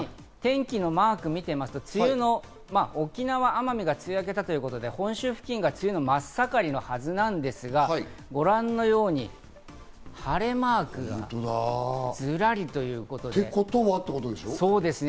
天気のマークを見てみますと、沖縄、奄美が梅雨を明けたということで、本州付近は梅雨真っ盛りのはずなんですが、ご覧のように晴れマークがずらり。ってことはってことでしょ？